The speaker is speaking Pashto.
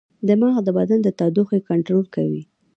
دماغ د بدن د تودوخې کنټرول کوي.